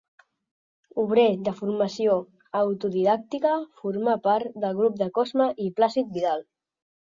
Obrer de formació autodidàctica, formà part del grup de Cosme i Plàcid Vidal.